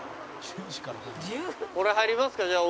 これ入りますかじゃあ。